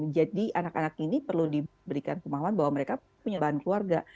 jadi anak anak ini perlu diberikan kemahuan bahwa mereka punya bahan keluarga